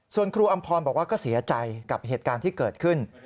ส่วนครูอำพรบอกว่าก็เสียใจกับเหตุการณ์ที่เกิดขึ้น